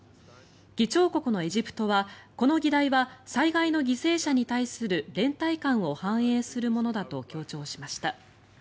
議長国のエジプトは、この議題は災害の犠牲者に対する連帯感を反映するものだと強調しました。